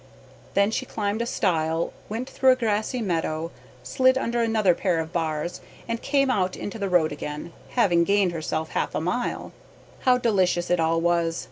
Then she climbed a stile, went through a grassy meadow, slid under another pair of bars, and came out into the road again having gained nearly half a mile. How delicious it all was!